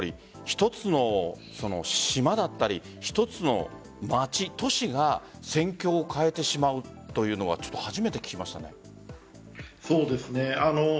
一つの島だったり一つの街、都市が戦況を変えてしまうというのはそうですね。